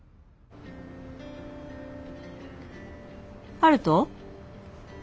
悠人？